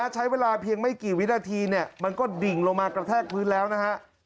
ใช้เวลาเพียงไม่กี่วินาทีมันก็ดิ่งลงมากระแทกพื้นแล้วนะฮะ